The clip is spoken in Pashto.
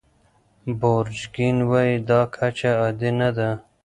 بورجیګین وايي دا کچه عادي نه ده.